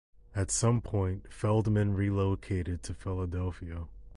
At some point Feldman relocated to Philadelphia.